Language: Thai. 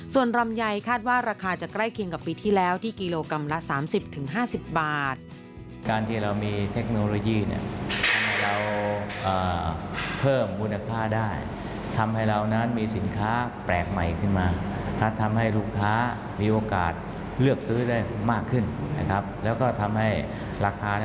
ส่วนลำไยคาดว่าราคาจะใกล้เคียงกับปีที่แล้วที่กิโลกรัมละ๓๐๕๐บาท